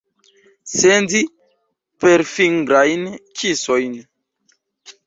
Sendi perfingrajn kisojn.